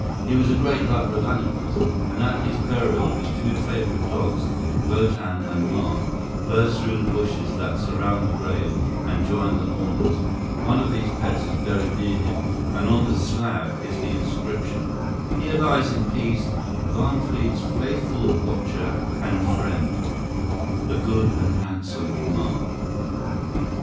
He was a great lover of animals, and at his burial his two favorite dogs, Wotan and Mark, burst through the bushes that surround the grave and joined the mourners. One of these pets is buried near him, and on the slab is the inscription: "Here lies in peace Wahnfried's faithful watcher and friend—the good and handsome Mark."